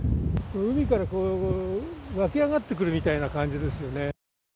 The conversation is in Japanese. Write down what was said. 海から湧き上がってくるみたいな感じですよね。